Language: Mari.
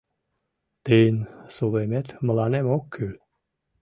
Тыйын сулымет мыланем ок кӱл;